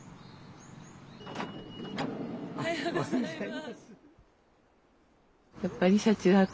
おはようございます。